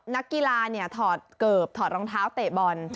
นักกีฬาถอดเกิบถอดรองเท้าเตะบอล